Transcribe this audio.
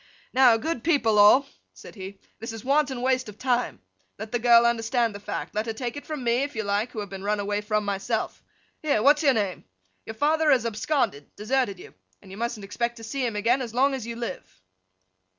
'Now, good people all,' said he, 'this is wanton waste of time. Let the girl understand the fact. Let her take it from me, if you like, who have been run away from, myself. Here, what's your name! Your father has absconded—deserted you—and you mustn't expect to see him again as long as you live.